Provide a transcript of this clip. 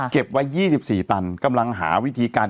เก็บไว้๒๔ตันกำลังหาวิธีการ